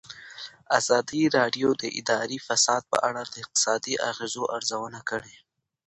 ازادي راډیو د اداري فساد په اړه د اقتصادي اغېزو ارزونه کړې.